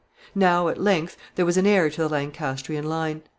Now, at length, there was an heir to the Lancastrian line.